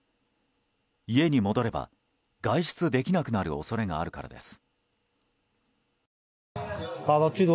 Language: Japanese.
家に戻れば、外出できなくなる恐れがあるからです。